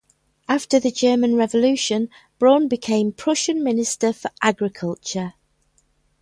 After the German Revolution Braun became Prussian Minister for Agriculture.